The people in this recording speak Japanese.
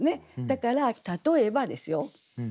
だから例えばですよ。